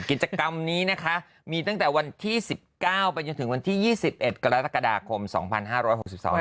กิจกรรมนี้นะคะมีตั้งแต่วันที่๑๙ไปจนถึงวันที่๒๑กรกฎาคม๒๕๖๒